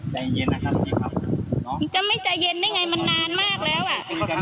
ใจเย็นนะครับน้องจะไม่ใจเย็นได้ไงมันนานมากแล้วอ่ะ